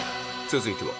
続いては